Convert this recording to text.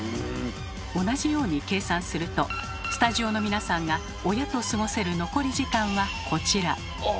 同じように計算するとスタジオの皆さんが親と過ごせる残り時間はこちら。